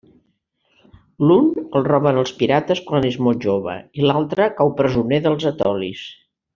L'un, el roben els pirates quan és molt jove, i l'altre cau presoner dels etolis.